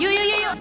yuk yuk yuk yuk